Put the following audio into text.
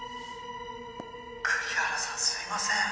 栗原さんすいません